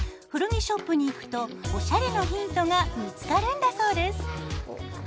古着ショップに行くとおしゃれのヒントが見つかるんだそうです。